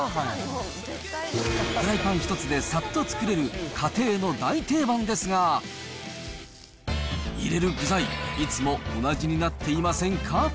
フライパン一つでさっと作れる、家庭の大定番ですが、入れる具材、いつも同じになっていませんか？